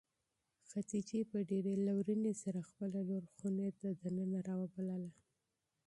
خدیجې په ډېرې لورېنې سره خپله لور خونې ته د ننه راوبلله.